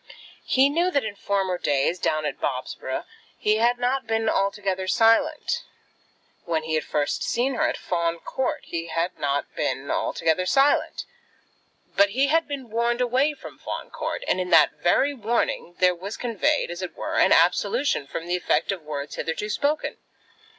He knew that in former days, down at Bobsborough, he had not been altogether silent. When he had first seen her at Fawn Court he had not been altogether silent. But he had been warned away from Fawn Court, and in that very warning there was conveyed, as it were, an absolution from the effect of words hitherto spoken.